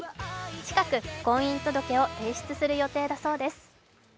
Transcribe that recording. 近く婚姻届を提出する予定だそうです。